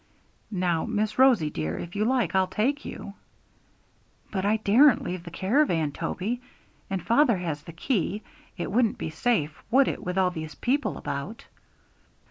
Now, Miss Rosie dear, if you like I'll take you.' 'But I daren't leave the caravan, Toby, and father has the key; it wouldn't be safe, would it, with all these people about?'